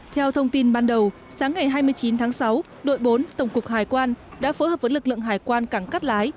theo thông tin ban đầu sáng ngày hai mươi chín tháng sáu đội bốn tổng cục hải quan đã phối hợp với lực lượng hải quan cảng cát lái